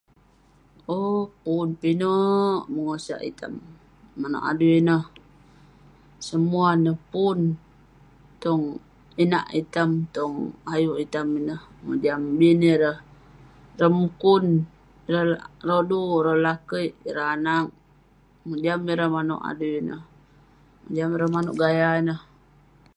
Oh, pun pinek pegosak itam manouk adui ineh semua neh pun tong inak item yah ayuk item ineh, mojam min ireh mukun ireh rodu ireh lakeik ireh anag mojam ireh manouk adui ineh mojam ireh manouk gaya ineh